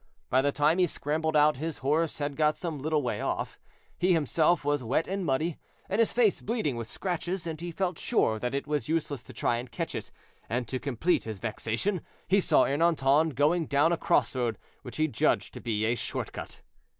By the time he scrambled out his horse had got some little way off. He himself was wet and muddy, and his face bleeding with scratches, and he felt sure that it was useless to try and catch it; and to complete his vexation, he saw Ernanton going down a cross road which he judged to be a short cut.